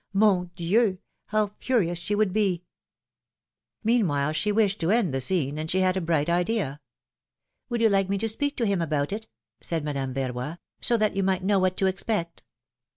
Mon Dieu! how furious she would be !" Meanwhile she wished to end the scene, and she had a bright idea. Would you like me to speak to him about it?" said 262 PHILOMi:NE's MARRIAGES. Madame Verroy; that you might know what to expect